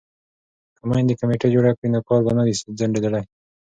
که میندې کمیټه جوړه کړي نو کار به نه وي ځنډیدلی.